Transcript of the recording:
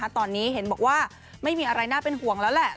ตอนนี้เห็นบอกว่าไม่มีอะไรน่าเป็นห่วงแล้วแหละ